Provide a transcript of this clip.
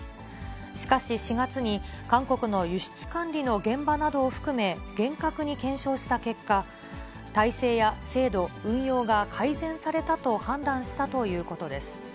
しかし４月に、韓国の輸出管理の現場などを含め厳格に検証した結果、体制や制度、運用が改善されたと判断したということです。